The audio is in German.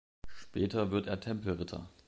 Später wird er Tempelritter.